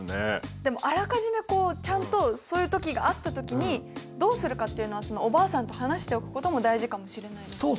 でもあらかじめちゃんとそういう時があった時にどうするかっていうのをおばあさんと話しておくことも大事かもしれないですね。